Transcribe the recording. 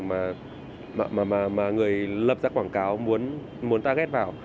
mà người lập ra quảng cáo muốn target vào